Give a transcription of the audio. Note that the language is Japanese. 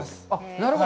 なるほど。